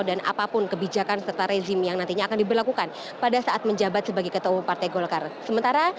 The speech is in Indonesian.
dan apapun kebijakan serta rezim yang nantinya akan diberlakukan pada saat menjabat sebagai ketua partai golkar